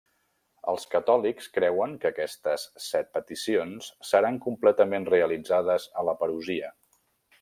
Els catòlics creuen que aquestes set peticions seran completament realitzades a la Parusia.